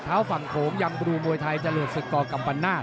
เท้าฝั่งโขมยังบรูมวยไทยเจริญศิษฐ์กกัมปะนาท